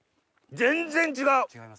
全然違う！